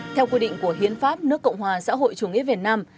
theo quy định của hiến pháp nước cộng hòa xã hội chủ nghĩa việt nam